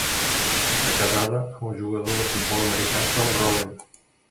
Està casada amb el jugador de futbol americà Tom Rouen.